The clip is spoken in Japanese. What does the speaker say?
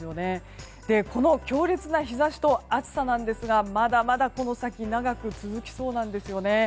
この強烈な日差しと暑さなんですがまだまだ、この先長く続きそうなんですよね。